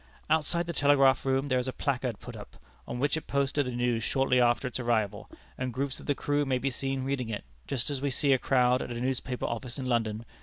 Outside the telegraph room there is a placard put up, on which is posted the news shortly after its arrival, and groups of the crew may be seen reading it, just as we see a crowd at a newspaper office in London.